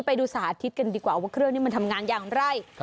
ไปดูสาธิตกันดีกว่าว่าเครื่องนี้มันทำงานอย่างไร